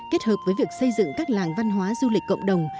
kết hợp với việc xây dựng các làng văn hóa du lịch cộng đồng